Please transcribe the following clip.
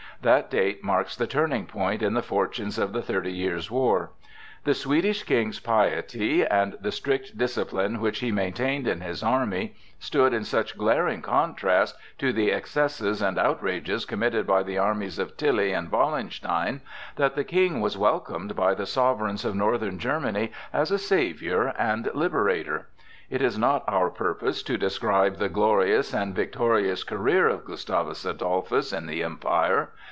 That date marks the turning point in the fortunes of the Thirty Years' War. The Swedish King's piety, and the strict discipline which he maintained in his army, stood in such glaring contrast to the excesses and outrages committed by the armies of Tilly and Wallenstein that the King was welcomed by the sovereigns of northern Germany as a savior and liberator. It is not our purpose to describe the glorious and victorious career of Gustavus Adolphus in the Empire.